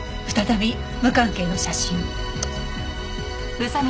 再び無関係の写真。